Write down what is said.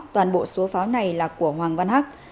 toàn bộ số pháo này là của hoàng văn hắc